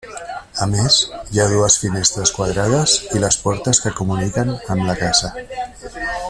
A més, hi ha dues finestres quadrades i les portes que comuniquen amb la casa.